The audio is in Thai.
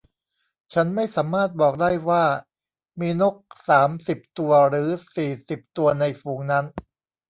ฉันไม่สามารถบอกได้ว่ามีนกสามสิบตัวหรือสี่สิบตัวในฝูงนั้น